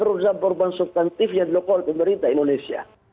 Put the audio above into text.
pertama perubahan perusahaan berubahan substantif yang dilakukan oleh pemerintah indonesia